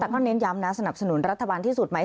แต่ก็เน้นย้ำนะสนับสนุนรัฐบาลที่สุดไหม